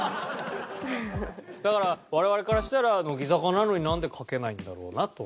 だから我々からしたら乃木坂なのになんで賭けないんだろうなと思いますよ？